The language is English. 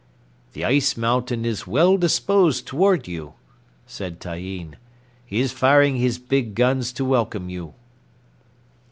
"The ice mountain is well disposed toward you," said Tyeen. "He is firing his big guns to welcome you."